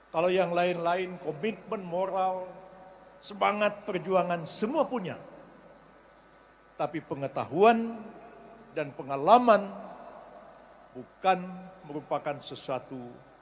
kalau yang lain lain komitmen moral semangat perjuangan semua punya tapi pengetahuan dan pengalaman bukan merupakan sesuatu